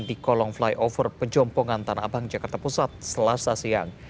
di kolong flyover pejompongan tanah abang jakarta pusat selasa siang